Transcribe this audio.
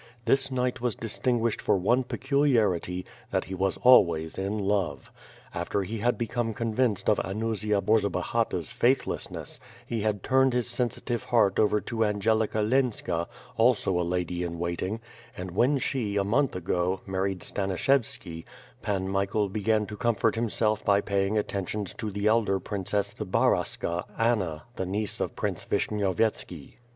This knight was distinguished for one pecu liarity; that he was always in love. After he had become convinced of Anusia Borzobahata's faithlessness, he had turned his sensitive heart over to Angelica Lenzka, also a lady in waiting, and when she a month ago, married Stanish evski, Pan Michael began to comfort himself by paying at tentions to the elder Princess Zbaraska, Anna, the niece of Prince Vishnyovyetski.